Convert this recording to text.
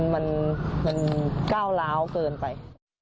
มันก้าวร้าวเกินไป